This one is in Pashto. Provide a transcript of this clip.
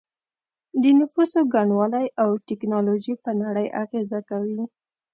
د نفوسو ګڼوالی او ټیکنالوژي په نړۍ اغیزه کوي